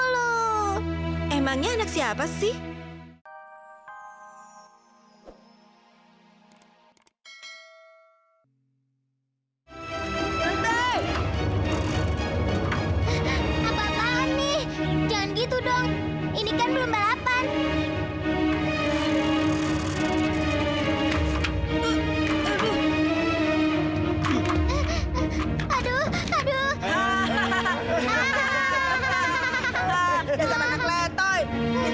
cuma badan sedikit